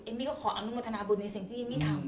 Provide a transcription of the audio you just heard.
มี่ก็ขออนุโมทนาบุญในสิ่งที่เอมมี่ทำ